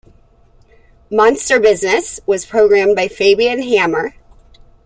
"Monster Business" was programmed by Fabian Hammer.